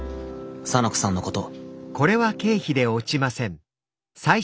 沙名子さんのこと。